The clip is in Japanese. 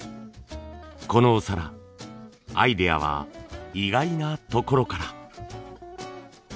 このお皿アイデアは意外なところから。